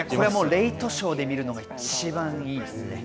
レイトショーで見るのが一番いいですね。